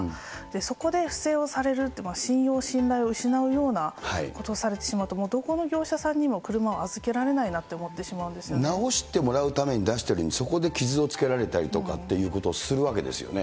そこで不正をされるって、信用、信頼を失うようなことをされてしまうと、どこの業者さんにも車を預けられないなって思ってしまう直してもらうために出しているのに、そこで傷をつけられたりということをするわけですよね。